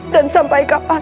dan sampai kapan